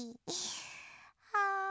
はあ。